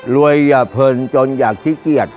รวยอย่าเพิ่มจนอย่าขี้เกียจ